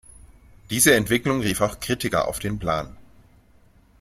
Diese Entwicklung rief auch Kritiker auf den Plan.